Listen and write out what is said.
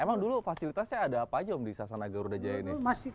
emang dulu fasilitasnya ada apa aja om di sasana garuda jaya ini